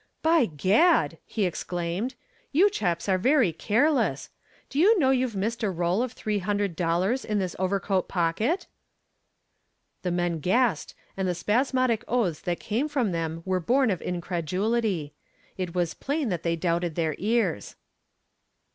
"By gad!" he exclaimed, "you chaps are very careless. Do you know you've missed a roll of three hundred dollars in this overcoat pocket?" The men gasped and the spasmodic oaths that came from them were born of incredulity. It was plain that they doubted their ears.